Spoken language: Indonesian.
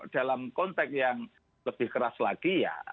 dalam konteks yang lebih keras lagi ya